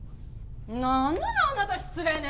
何なのあなた失礼ね！